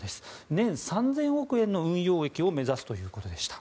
年３０００億円の運用益を目指すということでした。